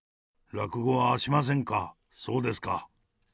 落語はしませんか、そうですか。